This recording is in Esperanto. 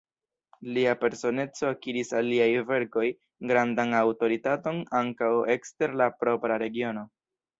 Lia personeco akiris al liaj verkoj grandan aŭtoritaton ankaŭ ekster la propra regiono.